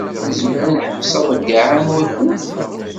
Nezmer ad neḥbes aḍeyyeɛ-a n wakud?